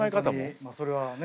まあそれはね。